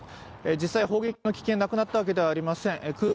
実際、砲撃の危険がなくなったわけではありません。